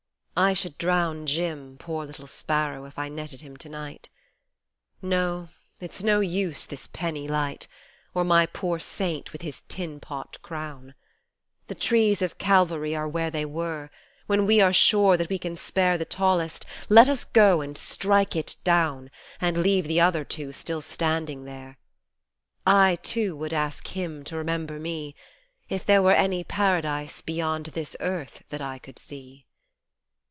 " I should drown Jim, poor little sparrow, if I netted him to night No, it's no use this penny light Or my poor saint with his tin pot crown The trees of Calvary are where they were, When we are sure that we can spare 40 The tallest, let us go and strike it down And leave the other two still standing there. I, too, would ask Him to remember me If there were any Paradise beyond this earth that I could see.